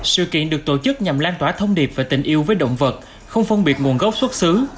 sự kiện được tổ chức nhằm lan tỏa thông điệp và tình yêu với động vật không phân biệt nguồn gốc xuất xứ